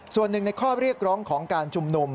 ส่วนหนึ่งในข้อเรียกร้องของการชุมนุม